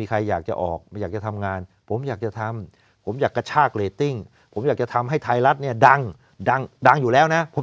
นี่สัญญากับเราแล้วหรือยังเนี่ยพูดอย่างนี้นะคะ